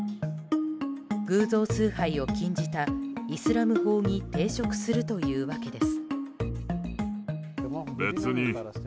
偶像崇拝を禁じたイスラム法に抵触するというわけです。